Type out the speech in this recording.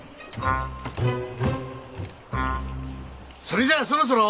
それじゃそろそろ。